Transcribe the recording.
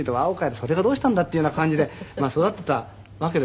それがどうしたんだっていうような感じで育ってたわけですよ。